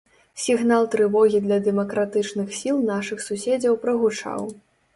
Сігнал трывогі для дэмакратычных сіл нашых суседзяў прагучаў.